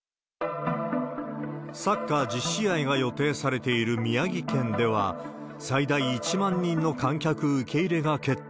サッカー１０試合が予定されている宮城県では、最大１万人の観客受け入れが決定。